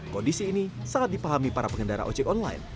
kondisi ini sangat dipahami para pengendara ojek online